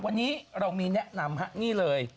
วันนี้เรามีแนะนำฮะนี่เลย